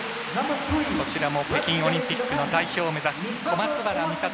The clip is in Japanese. こちらも北京オリンピックの代表を目指す小松原美里とティムコレト。